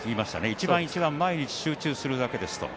一番一番、毎日集中するだけですと。